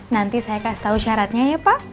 nanti saya kasih tahu syaratnya ya pak